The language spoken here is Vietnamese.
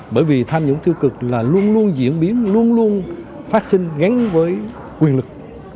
bởi vì tham nhũng tiêu cực là luôn luôn diễn biến luôn luôn phát sinh gắn với quyền lực